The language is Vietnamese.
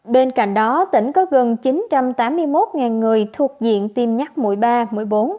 bên cạnh đó tỉnh có gần chín trăm tám mươi một người thuộc diện tiêm nhắc mũi ba mũi bốn